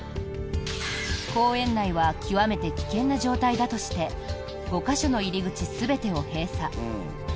公園内は極めて危険な状態だとして５か所の入り口全てを閉鎖。